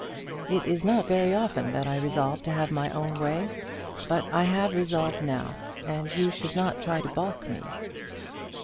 "It is not very often that I resolve to have my own way; but I have resolved now, and you should not try to balk me."